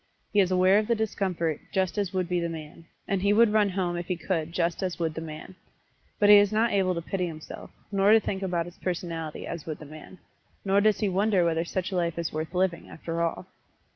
He is aware of the discomfort, just as would be the man and he would run home if he could just as would the man. But he is not able to pity himself, nor to think about his personality as would the man, nor does he wonder whether such a life is worth living, after all.